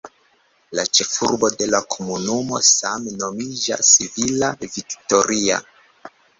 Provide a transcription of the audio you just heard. La ĉefurbo de la komunumo same nomiĝas "Villa Victoria".